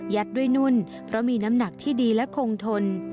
ด้วยนุ่นเพราะมีน้ำหนักที่ดีและคงทน